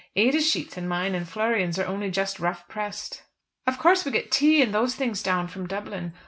Ada's sheets and mine, and Florian's, are only just rough pressed. Of course we get tea and those things down from Dublin.